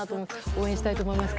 応援したいと思います。